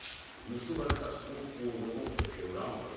盗まれた装甲ロボット兵ラムダだ。